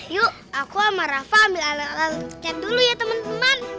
yuk aku sama rafa ambil alat alat cek dulu ya temen temen